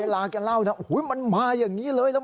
แล้วก็เรียกเพื่อนมาอีก๓ลำ